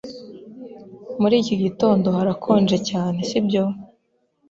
Muri iki gitondo harakonje cyane, sibyo?